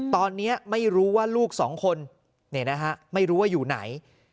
ตอนนี้ไม่รู้ว่าลูกสองคนไม่รู้ว่าอยู่ไหน